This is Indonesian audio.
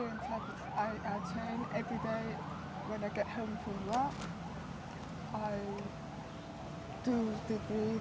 saya melakukan pengulangan sebagai bagian dari waktu saya di tempat pejabat